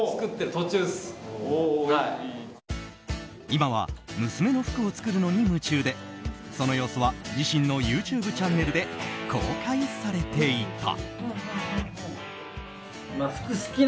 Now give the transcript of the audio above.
今は娘の服を作るのに夢中でその様子は自身のＹｏｕＴｕｂｅチャンネルで公開されていた。